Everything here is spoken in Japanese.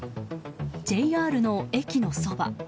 ＪＲの駅のそば。